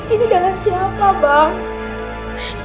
ini darah siapa bang